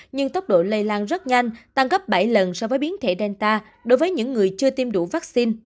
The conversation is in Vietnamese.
nhưng tốc độ lây lan rất nhanh tăng gấp bảy lần so với biến thể danta đối với những người chưa tiêm đủ vaccine